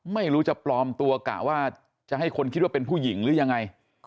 ไม่รู้จะปลอมตัวกะว่าจะให้คนคิดว่าเป็นผู้หญิงหรือยังไง